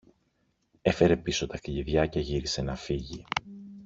έφερε πίσω τα κλειδιά και γύρισε να φύγει.